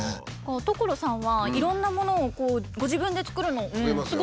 所さんはいろいろなものをご自分で作るの。作りますよ。